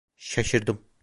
Şaşırdım.